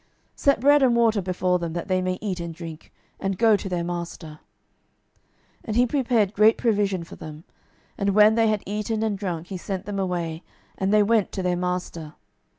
set bread and water before them, that they may eat and drink, and go to their master. 12:006:023 And he prepared great provision for them: and when they had eaten and drunk, he sent them away, and they went to their master.